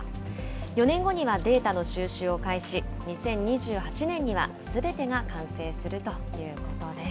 ４年後にはデータの収集を開始、２０２８年にはすべてが完成するということです。